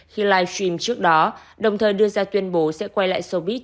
khi livestream trước đó đồng thời đưa ra tuyên bố sẽ quay lại showbiz